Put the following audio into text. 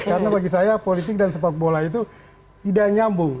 karena bagi saya politik dan sepak bola itu tidak nyambung